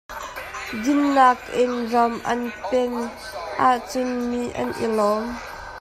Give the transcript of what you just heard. Dinnak in ram an pen ahcun mi an i lawm.